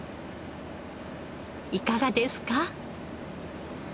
いかがですか？